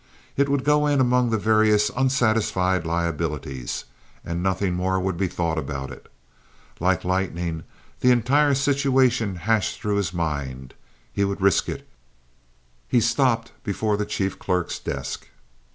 It would go in among the various unsatisfied liabilities, and nothing more would be thought about it. Like lightning the entire situation hashed through his mind. He would risk it. He stopped before the chief clerk's desk.